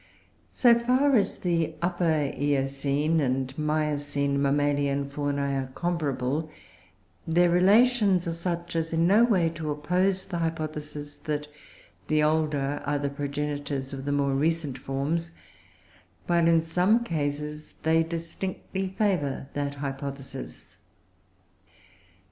So far as the Upper Eocene and the Miocene Mammalian Faunae are comparable, their relations are such as in no way to oppose the hypothesis that the older are the progenitors of the more recent forms, while, in some cases, they distinctly favour that hypothesis.